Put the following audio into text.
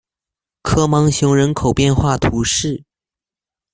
科芒雄人口变化图示